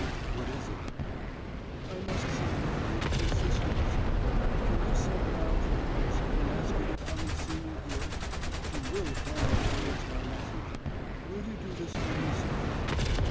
"What is it?" "I must see Mary her sister, sir. Can you send round to the house, and ask her to come and see me here? She will come when she gets my message. Will you do this for me, sir?"